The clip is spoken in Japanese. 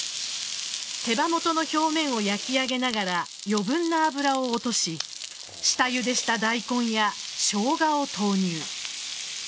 手羽元の表面を焼き上げながら余分な脂を落とし下ゆでした大根やショウガを投入。